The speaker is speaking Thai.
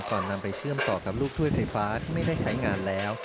นำไปเชื่อมต่อกับลูกถ้วยไฟฟ้าที่ไม่ได้ใช้งานแล้ว